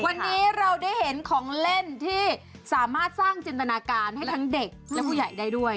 วันนี้เราได้เห็นของเล่นที่สามารถสร้างจินตนาการให้ทั้งเด็กและผู้ใหญ่ได้ด้วย